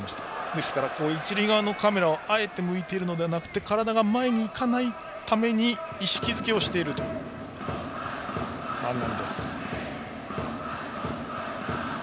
ですから、一塁側のカメラをあえて見ているのではなく体が前に行かないように意識づけをしているという万波。